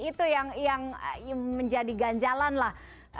itu yang menjadi ganjalan lah